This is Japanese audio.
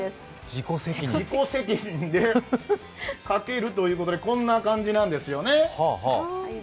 自己責任でかけるということで、こんな感じなんですよね。